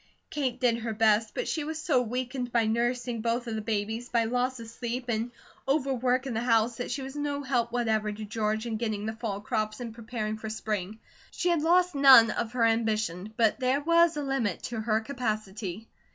Kate did her best, but she was so weakened by nursing both of the babies, by loss of sleep, and overwork in the house, that she was no help whatever to George in getting in the fall crops and preparing for spring. She had lost none of her ambition, but there was a limit to her capacity.